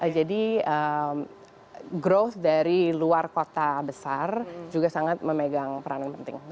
jadi growth dari luar kota besar juga sangat memegang peran yang penting